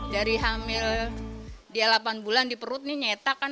dari hamil dia delapan bulan di perut nih nyetak kan